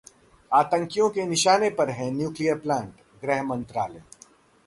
आतंकियों के निशाने पर हैं न्यूक्लियर प्लांट: गृह मंत्रालय